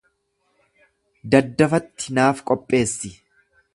Daddafatti naaf qopheessi.